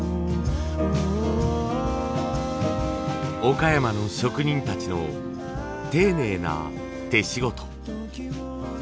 岡山の職人たちの丁寧な手仕事。